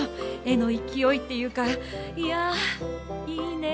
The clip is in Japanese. えのいきおいっていうかいやいいね。